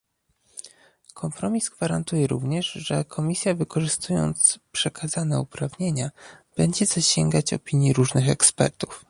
Kompromis gwarantuje również, że Komisja wykorzystując przekazane uprawnienia będzie zasięgać opinii różnych ekspertów